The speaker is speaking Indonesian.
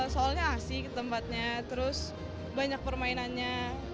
soalnya asik tempatnya terus banyak permainannya